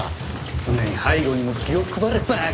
常に背後にも気を配れ馬鹿！